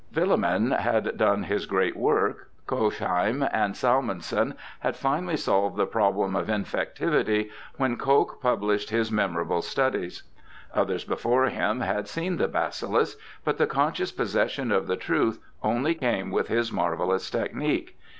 Villemin had done his great work, Cohnheim and Salmonson had finally solved the prob lem of infectivity, when Koch published his memorable studies. Others before him had seen the bacillus, but the conscious possession of the truth only came with his marvellous technique.